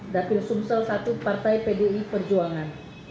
dapil sumsel satu partai pdi perjuangan